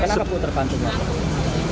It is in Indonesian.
kenapa terbantu sekali